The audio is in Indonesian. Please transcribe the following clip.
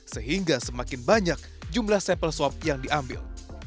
sehingga semakin banyak jumlah sampel swab yang diambil